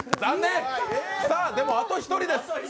でもあと１人です！